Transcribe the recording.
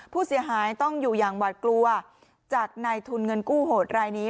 ผู้เสียหายต้องอยู่อย่างหวาดกลัวจากในทุนเงินกู้โหดรายนี้